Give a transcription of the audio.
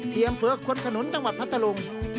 เทียมเผื้อคนขนุนจังหวัดพัทธรุง